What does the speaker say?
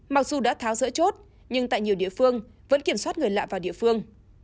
mặc dù đã tháo rỡ chốt nhưng tại nhiều địa phương vẫn kiểm soát người lạ vào địa phương